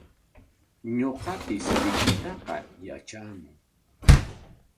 Ñuqapis lichitaqa yatraami.